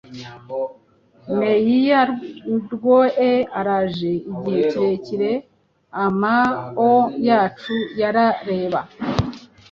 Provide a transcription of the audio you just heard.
Meiya rwoe araje, igihe kirekire amao yacu yarareba